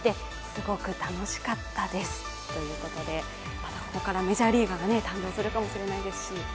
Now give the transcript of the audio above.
また、ここからメジャーリーガーが誕生するかもしれないですし。